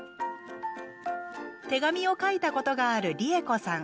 手紙を書いたことがあるりえこさん。